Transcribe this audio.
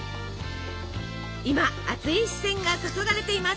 今熱い視線が注がれています！